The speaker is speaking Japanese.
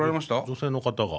女性の方が。